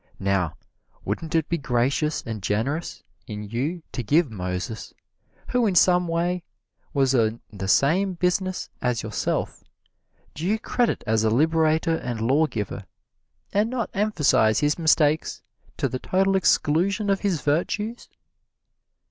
Now, wouldn't it be gracious and generous in you to give Moses, who in some ways was in the same business as yourself, due credit as a liberator and law giver and not emphasize his mistakes to the total exclusion of his virtues?"